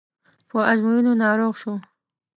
په ازموینو ناروغ شو.